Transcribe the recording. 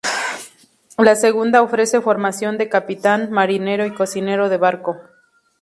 La segunda ofrece formación de capitán, marinero y cocinero de barco.